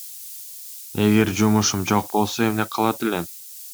Эгер жумушум жок болсо эмне кылат элем?